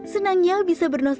senangnya bisa bernasib baik